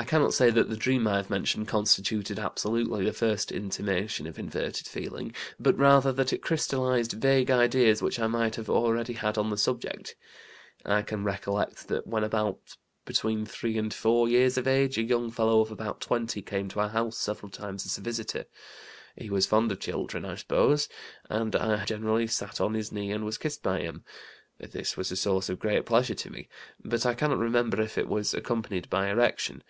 "I cannot say that the dream I have mentioned constituted absolutely the first intimation of inverted feeling, but rather that it crystallized vague ideas which I might have already had on the subject. I can recollect that when about between 3 and 4 years of age a young fellow of about 20 came to our house several times as a visitor. He was fond of children, I suppose, and I generally sat on his knee and was kissed by him. This was a source of great pleasure to me, but I cannot remember if it was accompanied by erection.